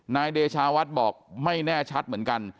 นายเดชาวัดบอกไม่แน่ชัดเหมือนกัน